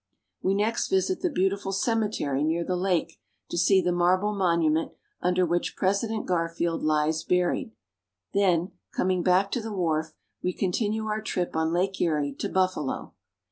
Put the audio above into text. We next visit the beautiful cemetery near the lake to see the mar ble monument under whichPresident Garfield lies buried. Then, com ing back to the wharf, we continue our trip on Lake Erie to Buffalo.